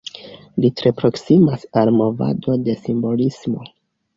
Li tre proksimas al la movado de simbolismo.